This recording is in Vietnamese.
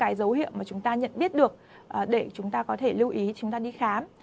cái dấu hiệu mà chúng ta nhận biết được để chúng ta có thể lưu ý chúng ta đi khám